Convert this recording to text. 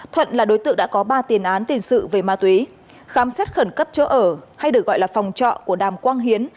thuận là đối tượng đã có ba tiền án tiền sự về ma túy khám xét khẩn cấp chỗ ở hay được gọi là phòng trọ của đàm quang hiến